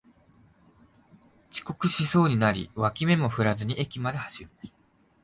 遅刻しそうになり脇目も振らずに駅まで走る